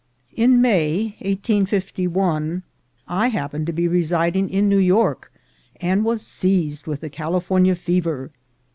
In May, 1851, I happened to be residing in New York, and was seized with the California fever.